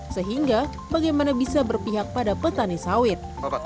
sehingga bagaimana bisa berpihak pada petani sawit